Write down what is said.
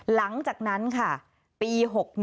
หลังจากนั้นค่ะปี๖๑